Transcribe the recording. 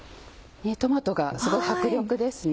トマトがすごい迫力ですね。